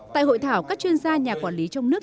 tại hội thảo các chuyên gia nhà quản lý trong nước